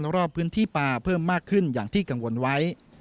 รอบพื้นที่ป่าเพิ่มมากขึ้นอย่างที่กังวลไว้